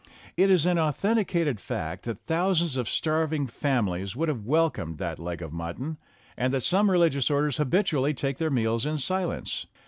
It is an authenti cated fact that thousands of starving families would have welcomed that leg of mutton, and that some religious orders habitually take their meals in silence.